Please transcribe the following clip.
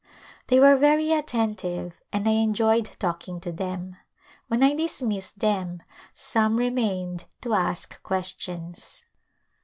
They were very attentive and I enjoyed talking to them. When I dismissed them some remained to ask questions.